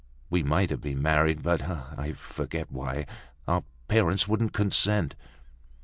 We might have been married, but—I forget why—our parents wouldn't consent."